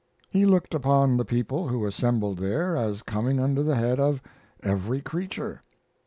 He looked upon the people who assembled there as coming under the head of "every creature."